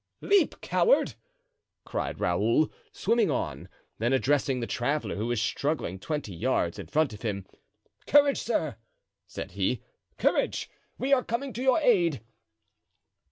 "Leap, coward!" cried Raoul, swimming on; then addressing the traveler, who was struggling twenty yards in front of him: "Courage, sir!" said he, "courage! we are coming to your aid."